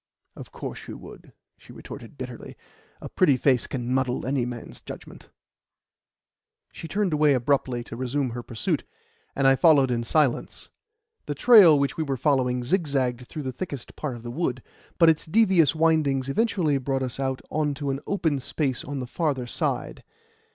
"Of course you would," she retorted bitterly. "A pretty face can muddle any man's judgment." She turned away abruptly to resume her pursuit, and I followed in silence. The trail which we were following zigzagged through the thickest part of the wood, but its devious windings eventually brought us out on to an open space on the farther side.